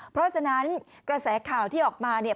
เพราะฉะนั้นกระแสข่าวที่ออกมาเนี่ย